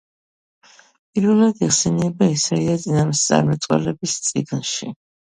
პირველად იხსენიება ესაია წინასწარმეტყველის წიგნში.